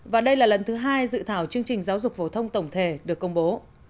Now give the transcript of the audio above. và đây là lần thứ hai dự thảo chương trình giáo dục phổ thông tổng thể được công bố